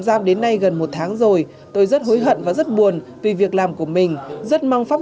giam đến nay gần một tháng rồi tôi rất hối hận và rất buồn vì việc làm của mình rất mong pháp